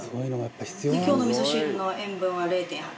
今日の味噌汁の塩分は０．８。